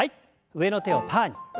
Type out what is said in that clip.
上の手をパーに。